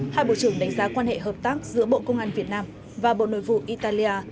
hai bộ trưởng đánh giá quan hệ hợp tác giữa bộ công an việt nam và bộ nội vụ italia